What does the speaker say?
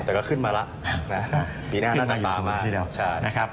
แต่ก็ขึ้นมาแล้วปีหน้าน่าจะตามมา